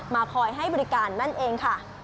มาพลอยให้บริการมั่นเอง